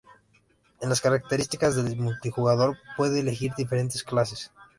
En las características del multijugador puedes elegir diferentes clases.